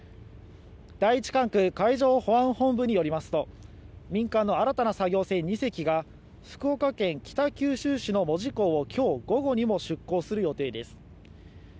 第一管区海上保安本部によりますと民間の新たな作業船２隻が福岡県北九州市の門司港を今日午後にも出港する予定です。